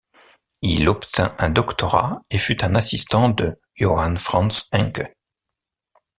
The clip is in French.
Il obtint un doctorat et fut un assistant de Johann Franz Encke.